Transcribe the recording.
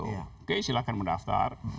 oke silahkan mendaftar